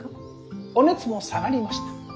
お熱も下がりました。